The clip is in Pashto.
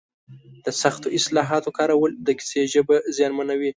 د سختو اصطلاحاتو کارول د کیسې ژبه زیانمنوي.